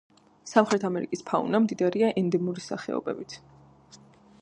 სამხრეთ ამერიკის ფაუნა მდიდარია ენდემური სახეობებით.